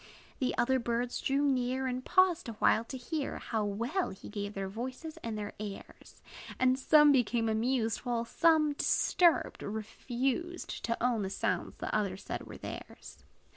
The other birds drew near, And paused awhile to hear How well he gave their voices and their airs. And some became amused; While some, disturbed, refused To own the sounds that others said were theirs.